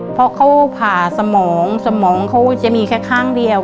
เพราะเขาผ่าสมองสมองเขาจะมีแค่ข้างเดียว